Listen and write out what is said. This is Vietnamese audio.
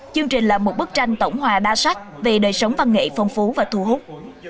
chương trình là một bức tranh tổng hòa đa sắc về đời sống văn nghệ phong phú và thu hút